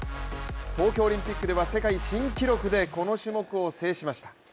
東京オリンピックでは世界新記録でこの種目を制しました。